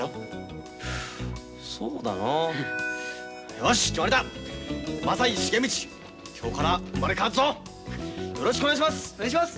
よろしくお願いします！